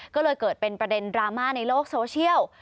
ก็เลยเกิดเป็นประเด็นดราม่าในโลกโซเชียล